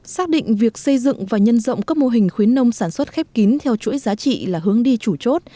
xác định việc xây dựng và nhân rộng các mô hình khuyến nông sản xuất khép kín theo chuỗi giá trị là hướng đi chủ chốt